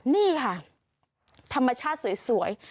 นี่ค่ะธรรมชาติสวย